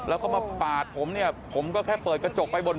แล้วก็มาปาดผมเนี่ยผมก็แค่เปิดกระจกไปบน